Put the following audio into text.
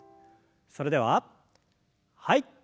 それでははい。